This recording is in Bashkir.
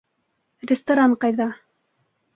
Ресторан ҡайҙа?